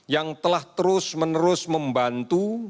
yang telah terus menerus membantu